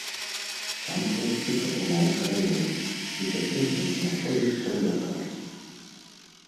Сам хлопчык атрымаў пераломы, і цяпер ён знаходзіцца ў лякарні.